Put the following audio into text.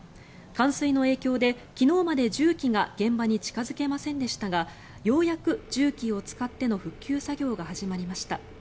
冠水の影響で昨日まで重機が現場に近付けませんでしたがようやく重機を使っての復旧作業が始まりました。